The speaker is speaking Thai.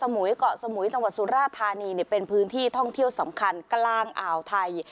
มุยเกาะสมุยจังหวัดสุราธานีเป็นพื้นที่ท่องเที่ยวสำคัญกลางอ่าวไทย